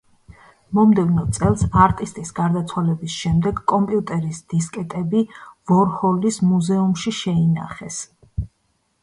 მომდევნო წელს, არტისტის გარდაცვალების შემდეგ კომპიუტერის დისკეტები ვორჰოლის მუზეუმში შეინახეს.